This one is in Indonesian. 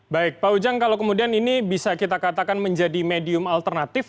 baik pak ujang kalau kemudian ini bisa kita katakan menjadi medium alternatif